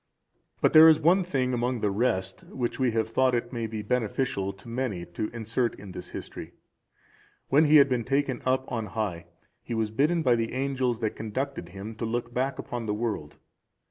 But there is one thing among the rest, which we have thought it may be beneficial to many to insert in this history. When he had been taken up on high, he was bidden by the angels that conducted him to look back upon the world.